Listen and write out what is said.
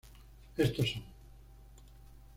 Estos son